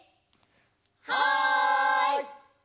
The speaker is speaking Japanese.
はい！